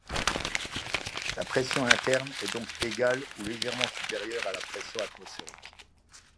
La pression interne est donc égale ou légèrement supérieure à la pression atmosphérique.